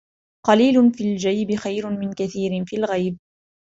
قليل في الجيب خير من كثير في الغيب.